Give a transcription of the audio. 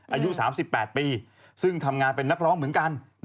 อายุ๓๘ปีซึ่งทำงานเป็นนักร้องเหมือนกัน